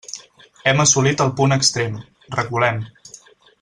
Hem assolit el punt extrem; reculem.